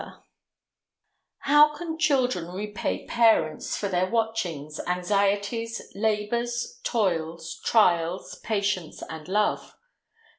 ] How can children repay parents for their watchings, anxieties, labors, toils, trials, patience, and love?